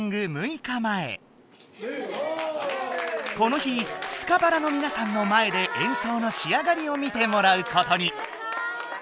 この日スカパラのみなさんの前で演奏のしあがりを見てもらうことに。